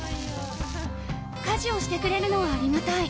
家事をしてくれるのはありがたい。